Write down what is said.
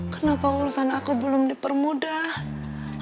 kenapa urusan aku belum dipermudah